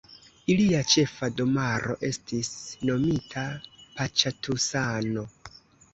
Ilia ĉefa domaro estis nomita Paĉatusano.